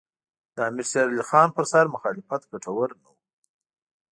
د امیر شېر علي خان پر سر مخالفت ګټور نه وو.